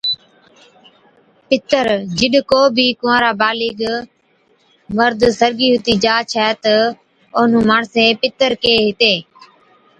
پِتر، جِڏ ڪو بِي ڪُنوارا بالغ (جوان) مرد سرگِي ھُتِي جا ڇَي تہ اونھُون ماڻسين پِتر ڪيھين ھِتين